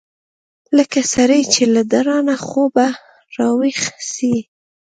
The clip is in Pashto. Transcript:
لکه سړى چې له درانه خوبه راويښ سي.